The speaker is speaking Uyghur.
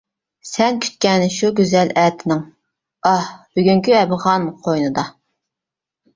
سەن كۈتكەن شۇ گۈزەل ئەتىنىڭ، ئاھ! بۈگۈنكى ئەپغان قوينىدا.